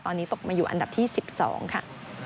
ตอนนี้ตกมาอยู่อันดับที่๑๒ค่ะ